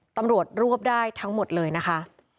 ตำรวจรวบได้ทั้งหมดเลยนะคะ